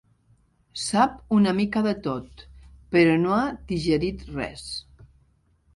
Sap una mica de tot, però no ha digerit res.